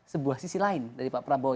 sebuah sisi lain dari pak prabowo